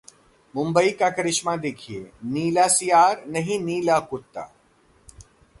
मुंबई का करिश्मा देखिए, नीला सियार नहीं नीला कुत्ता